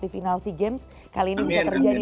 di final sea games kali ini bisa terjadi